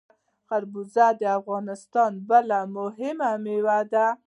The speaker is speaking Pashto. خربوزه د افغانستان بله مهمه میوه ده.